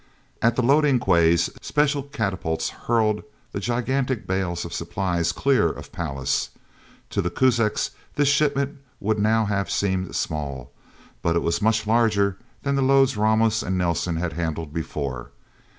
At the loading quays, special catapults hurled the gigantic bales of supplies clear of Pallas. To the Kuzaks, this shipment would now have seemed small, but it was much larger than the loads Ramos and Nelsen had handled before.